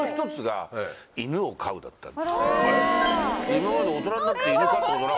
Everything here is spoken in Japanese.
今まで大人になって犬飼ったことなかった。